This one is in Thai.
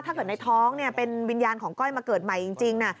ถ้าเกิดในท้องเนี่ยเป็นวิญญาณของก้อยมาเกิดใหม่จริงนะ